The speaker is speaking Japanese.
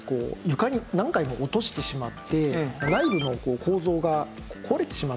床に何回も落としてしまって内部の構造が壊れてしまってですね